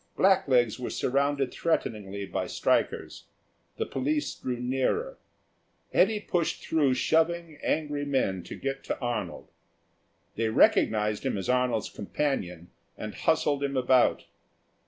Blacklegs were surrounded threateningly by strikers; the police drew nearer. Eddy pushed through shoving, angry men to get to Arnold. They recognised him as Arnold's companion, and hustled him about.